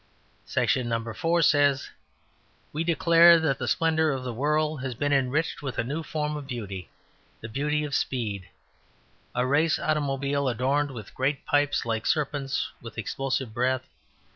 Section No. 4 says, "We declare that the splendour of the world has been enriched with a new form of beauty, the beauty of speed. A race automobile adorned with great pipes like serpents with explosive breath....